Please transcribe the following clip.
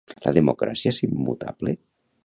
La democràcia és immutable?